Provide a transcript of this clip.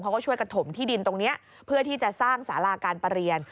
เขาก็ช่วยกระถมที่ดินตรงนี้เพื่อที่จะสร้างสาราการประเรียน